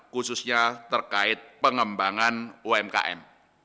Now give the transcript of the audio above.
khususnya terkait pengembangan umkm